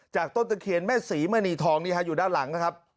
จากต้นตะเขียนแม่ศรีมณีทองอยู่ด้านหลังนั่นครับ